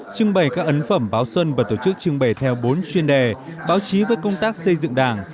trưng bày các ấn phẩm báo xuân và tổ chức trưng bày theo bốn chuyên đề báo chí về công tác xây dựng đảng